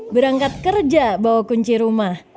berangkat kerja bawa kunci rumah